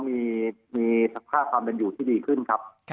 มีสภาพความเป็นอยู่ที่ดีขึ้นครับ